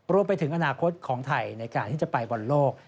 รวมไปถึงอนาคตของไทยในการที่จะไปบอลโลก